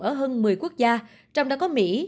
ở hơn một mươi quốc gia trong đó có mỹ